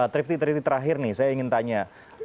trifty triti terakhir nih saya ingin tanya